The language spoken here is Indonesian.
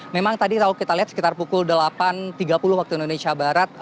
memang tadi kalau kita lihat sekitar pukul delapan tiga puluh waktu indonesia barat